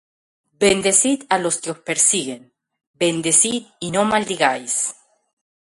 Bendecid á los que os persiguen: bendecid y no maldigáis.